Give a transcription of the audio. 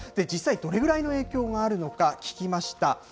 実際、どれぐらいの影響があるのか、聞きました。